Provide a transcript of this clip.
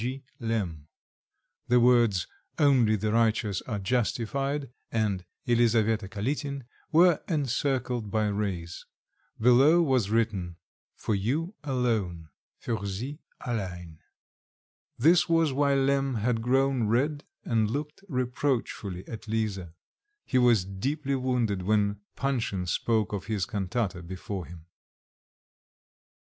G. Lemm." The words, "Only the righteous are justified" and "Elisaveta Kalitin," were encircled by rays. Below was written: "For you alone, für Sie allein." This was why Lemm had grown red, and looked reproachfully at Lisa; he was deeply wounded when Panshin spoke of his cantata before him.